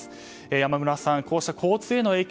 山村さん、こうした交通への影響